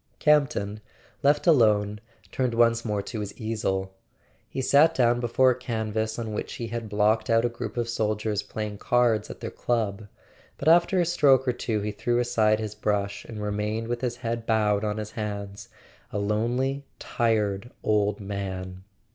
Campton, left alone, turned once more to his easel. He sat down before a canvas on which he had blocked out a group of soldiers playing cards at their club; but after a stroke or two he threw aside his brush, and remained with his head bowed on his hands, a lonely tired old man.